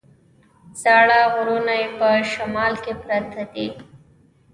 زاړه غرونه یې په شمال کې پراته دي.